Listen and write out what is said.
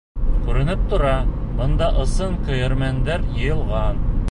Күренеп тора: бында ысын көйәрмәндәр йыйылған!